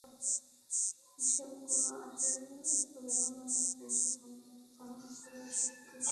ইসবগুলে আঁশের পরিমাণ অনেক বেশি বলে এটি গ্রহণ করে সত্যি আরাম মেলে।